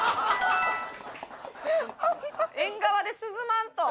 縁側で涼まんと。